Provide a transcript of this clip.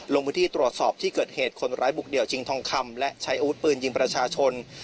ลงพื้นที่ตรวจสอบที่เกิดเหตุคนร้ายบุกเดี่ยวชิงทองคำและใช้อาวุธปืนยิงประชาชน